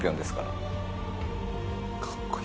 松岡：かっこいい。